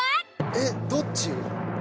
えっどっち？